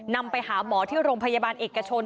นำไปหาหมอที่โรงพยาบาลเอกชน